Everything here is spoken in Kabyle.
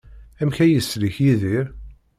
Amek ay yeslek Yidir?